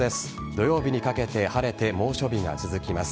土曜日にかけて晴れて猛暑日が続きます。